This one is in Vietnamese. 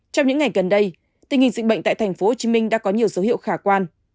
trong những ngày gần đây tình hình dịch bệnh tại tp hcm đã có nhiều dấu hiệu khả quan